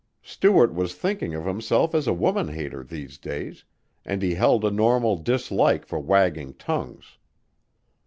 Stuart was thinking of himself as a woman hater, these days, and he held a normal dislike for wagging tongues.